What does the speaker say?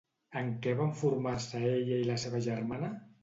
En què van formar-se ella i la seva germana?